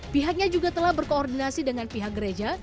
pihaknya juga telah berkoordinasi dengan pihak gereja